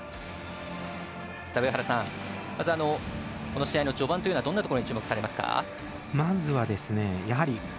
まず、この試合の序盤というのはどのようなところに注目されますか？